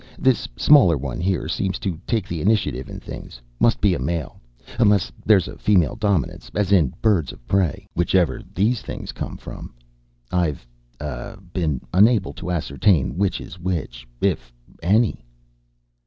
This smaller one here seems to take the initiative in things. Must be a male. Unless there's female dominance, as in birds of prey, wherever these things come from. I've uh been unable to ascertain which is which, if any."